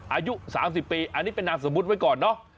อายุ๓๐ปีอันนี้เป็นนามสมมุติไว้ก่อนเนอะ